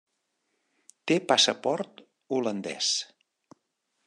Té passaport holandès.